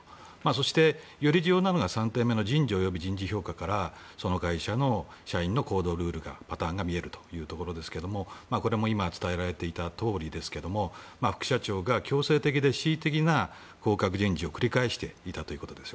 そして、より重要なのが３点目人事および人事評価からその会社の社員の行動ルール、パターンが見えるということですけどもこれも今、伝えられていたとおり副社長が強制的で恣意的な降格人事を繰り返していたということです。